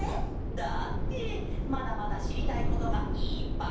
だってまだまだしりたいことがいっぱいなんだケロ！